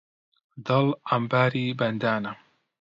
دڵ عەمباری بەندانە